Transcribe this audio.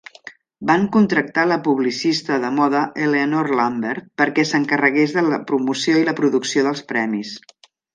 Van contractar la publicista de moda Eleanor Lambert perquè s'encarregués de la promoció i la producció dels premis.